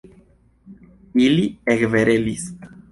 Ili ekkverelis.